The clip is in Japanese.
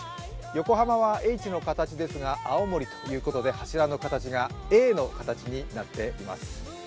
横浜はＨの形ですが青森ということで柱の形がＡの形になっています。